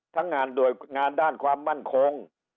ทั้งงานโดยงานด้านความมั่นคง